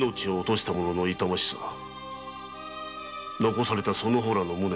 残されたその方らの無念。